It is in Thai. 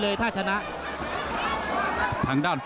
แล้วทีมงานน่าสื่อ